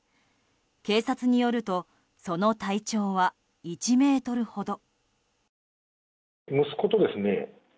警察によるとその体長は１ｍほど。